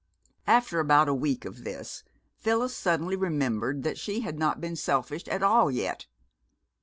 After about a week of this, Phyllis suddenly remembered that she had not been selfish at all yet.